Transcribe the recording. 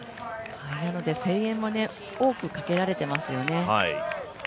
なので声援も多くかけられていますよね。